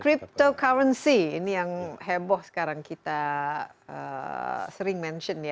cryptocurrency ini yang heboh sekarang kita sering mention ya